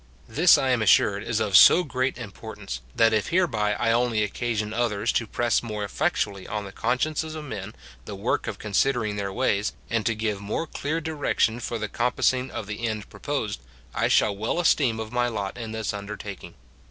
This I am assured is of so great im portance, that if hereby I only occasion others to press more eflFectu ally on the consciences of men the work of considering their ways, and to give more clear direction for the compassing of the end proposed, I shall well esteem of my lot in this undertaking.